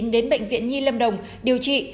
đến bệnh viện nhi lâm đồng điều trị